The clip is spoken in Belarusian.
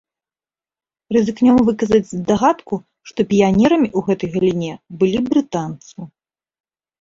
Рызыкнем выказаць здагадку, што піянерамі ў гэтай галіне былі брытанцы.